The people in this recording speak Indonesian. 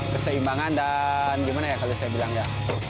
keseimbangan dan gimana ya kalau saya bilang enggak